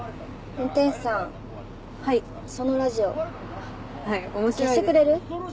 運転手さんはいそのラジオはい面白い消してくれる？